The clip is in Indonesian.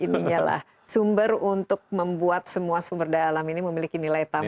ininya lah sumber untuk membuat semua sumber daya alam ini memiliki nilai tambah